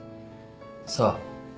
さあ？